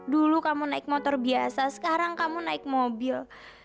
dulu kamu naik motor biasa sekarang kamu naik mobil